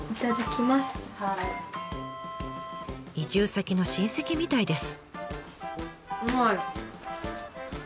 移住先の親戚みたいです。